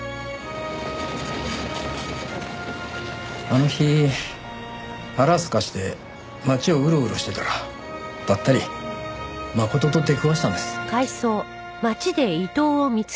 あの日腹すかして街をうろうろしてたらばったり真琴と出くわしたんです。